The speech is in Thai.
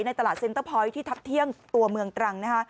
ตลาดเซ็นเตอร์พอยต์ที่ทัพเที่ยงตัวเมืองตรังนะคะ